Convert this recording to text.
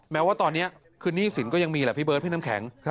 แม้ว่าตอนนี้คือหนี้สินก็ยังมีแหละพี่เบิร์ดพี่น้ำแข็ง